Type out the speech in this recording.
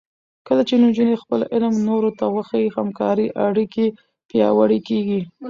کله چې نجونې خپل علم نورو ته وښيي، همکارۍ اړیکې پیاوړې کېږي.